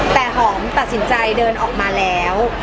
แต่หอมตัดสินใจเดินออกมาแล้ว